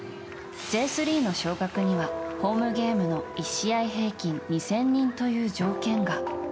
Ｊ３の昇格にはホームゲームの１試合平均２０００人という上限が。